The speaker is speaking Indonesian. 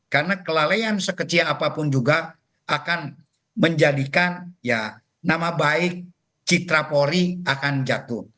karena kelalaian sekecil apapun juga akan menjadikan ya nama baik citra polri akan jatuh